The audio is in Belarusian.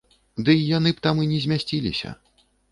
Ды й яны б там і не змясціліся.